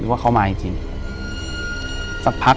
อยู่ที่แม่ศรีวิรัยิลครับ